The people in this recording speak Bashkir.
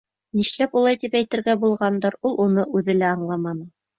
Нишләп улай тип әйтергә булғандыр, ул уны үҙе лә аңламаны.